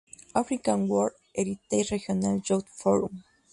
African World Heritage Regional Youth Forum